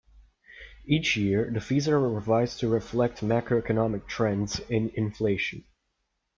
Each year, the fees are revised to reflect macroeconomic trends in inflation.